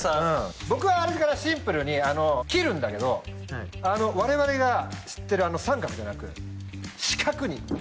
僕はシンプルに切るんだけど我々が知ってる三角じゃなく四角に切ってた。